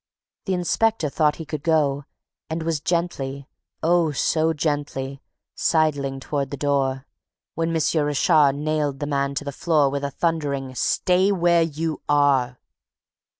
The inspector thought he could go and was gently oh, so gently! sidling toward the door, when M. Richard nailed the man to the floor with a thundering: "Stay where you are!"